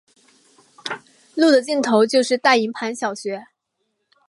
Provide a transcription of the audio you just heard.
路的尽头就是大营盘小学。